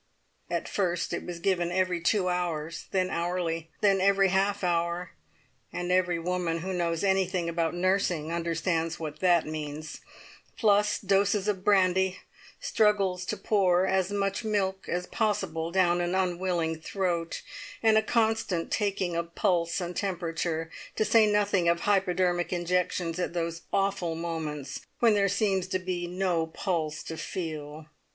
At first it was given every two hours, then hourly, then every half hour, and every woman who knows anything about nursing understands what that means, plus doses of brandy, struggles to pour as much milk as possible down an unwilling throat, and a constant taking of pulse and temperature, to say nothing of hypodermic injections at those awful moments when there seems no pulse to feel.